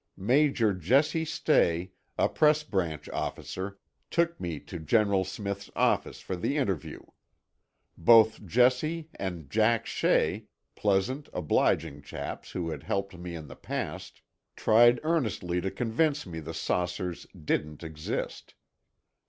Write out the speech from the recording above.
Major Jesse Stay, a Press Branch officer, took me to General Smith's office for the interview. Both Jesse and Jack Shea, pleasant, obliging chaps who had helped me in the past, tried earnestly to convince me the saucers didn't exist.